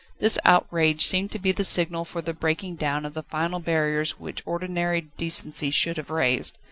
This outrage seemed to be the signal for the breaking down of the final barriers which ordinary decency should have raised.